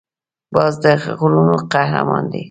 باز د غرونو قهرمان دی